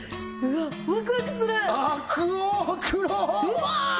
うわ！